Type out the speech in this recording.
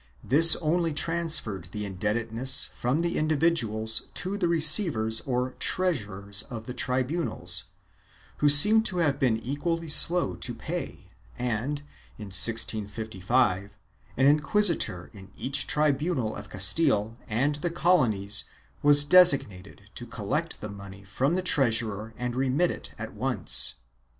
This only transferred the indebtedness from the individuals to the receivers or treasurers of the tribunals, who seem to have been equally slow to pay and, in 1655, an inquisi tor in each tribunal of Castile and the colonies was designated to collect the money from the treasurer and remit it at once.